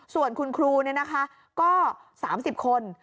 ส่วนคุณครูเนี่ยนะคะก็๓๐คน